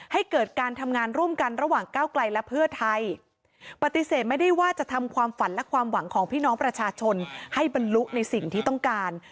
ให้เกิดการทำงานร่วมกันระหว่างก้าวไกลและเพื่อไทยปฏิเสธไม่ได้ว่าจะทำความฝันและความหวังของพี่น้องประชาชนให้บรรลุในสิ่งที่ต้องการ